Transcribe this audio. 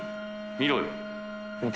見ろよ。